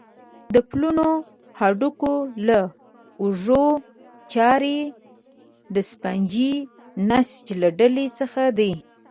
د پلنو هډوکو لکه د اوږو چارۍ د سفنجي نسج له ډلې څخه دي.